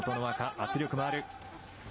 圧力のある。